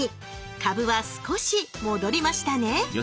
株は少し戻りましたね